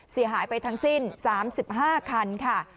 เสียหายไปทั้งสิ้น๓๕คันค่ะ